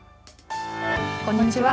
こんにちは。